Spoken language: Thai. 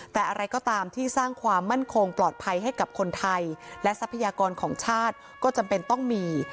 แต่อะไรก็ตามที่สร้างความมั่นคงปลอดภัยให้กับคนไทยและทรัพยากรของชาติก็จำเป็นต้องมี